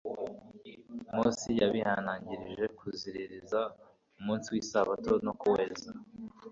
Mose yabihanangirije kuziririza umunsi wIsabato no kuweza